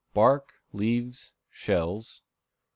Bark, Leaves, Shells.